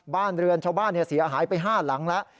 บ้านเรือนชาวบ้านเสียหายไป๕หลังแล้ว